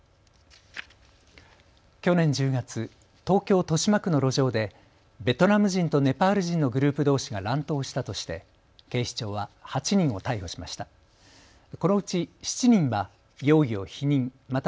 去年１０月、東京豊島区の路上でベトナム人とネパール人のグループどうしが乱闘したとして警視庁は８人を逮捕しました。